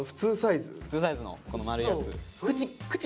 普通サイズの丸いやつ。